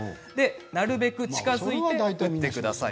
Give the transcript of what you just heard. なるべく近づいて撃ってください。